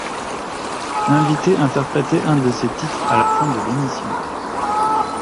L'invité interprétait un de ses titres à la fin de l'émission.